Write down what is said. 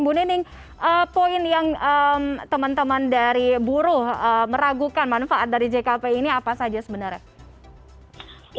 bu nining poin yang teman teman dari buruh meragukan manfaat dari jkp ini apa saja sebenarnya